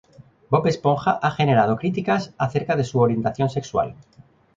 Bob Esponja ha generado críticas acerca de su orientación sexual.